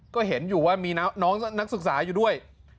ก็เห็นอยู่ว่ามีน้องนักศึกษาอยู่ด้วย